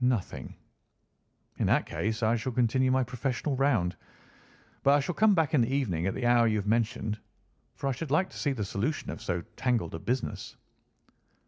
"Nothing." "In that case I shall continue my professional round. But I shall come back in the evening at the hour you have mentioned, for I should like to see the solution of so tangled a business."